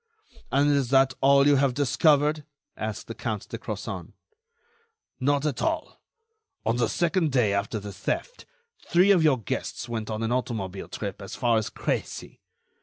"And is that all you have discovered?" asked the Count de Crozon. "Not at all. On the second day after the theft, three of your guests went on an automobile trip as far as Crécy.